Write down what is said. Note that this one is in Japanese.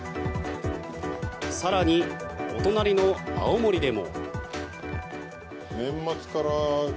更に、お隣の青森でも。